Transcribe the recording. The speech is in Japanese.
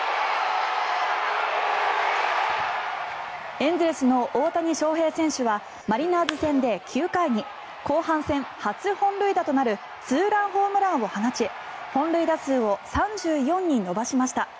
エンゼルスの大谷翔平選手はマリナーズ戦で９回に後半戦初本塁打となるツーランホームランを放ち本塁打数を３４に伸ばしました。